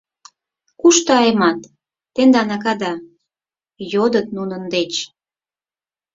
“Кушто Аймат, тендан акада?” — йодыт нунын деч.